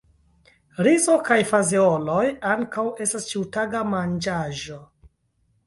Rizo kaj fazeoloj ankaŭ estas ĉiutaga manĝaĵo.